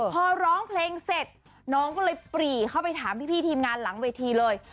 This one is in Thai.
พอร้องเพลงเสร็จน้องก็เลยปรีเข้าไปถามพี่ทีมงานหลังเวทีเลย